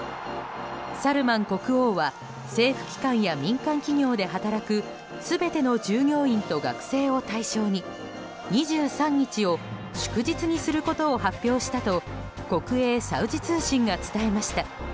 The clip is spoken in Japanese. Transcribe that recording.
サルマン国王は政府機関や民間企業で働く全ての従業員と学生を対象に２３日を祝日にすることを発表したと国営サウジ通信が伝えました。